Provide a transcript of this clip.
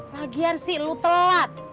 lagian sih lu telat